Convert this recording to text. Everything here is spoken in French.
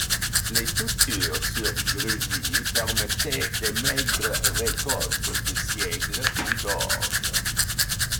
Les cultures sur brûlis permettaient de maigres récoltes de seigle ou d'orge.